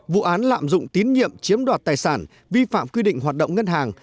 vụ án lạm dụng tín nhiệm chiếm đoạt tài sản vi phạm quy định hoạt động ngân hàng